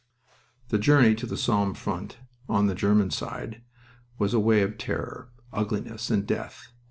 The journey to the Somme front, on the German side, was a way of terror, ugliness, and death.